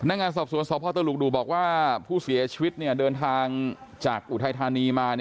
งานสอบสวนสพตลุกดูบอกว่าผู้เสียชีวิตเดินทางจากอุทัยธานีมา